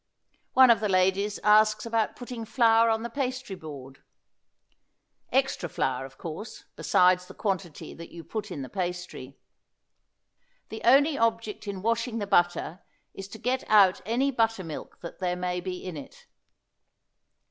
One of the ladies asks about putting flour on the pastry board: Extra flour, of course, besides the quantity that you put in the pastry. The only object in washing the butter is to get out any buttermilk that there may be in it.